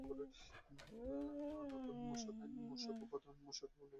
নতুন মূসক আইন, মূসক প্রদান-প্রক্রিয়া, মূসক নিবন্ধন, অভিযোগ—প্রায় বিষয়ে তাৎক্ষণিক সমাধান মিলবে।